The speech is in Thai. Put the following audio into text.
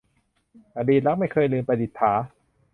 อดีตรักไม่เคยลืม - ประดิษฐา